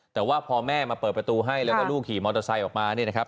แต่ว่าพอแม่มาเปิดประตูให้แล้วก็ลูกขี่มอเตอร์ไซค์ออกมาเนี่ยนะครับ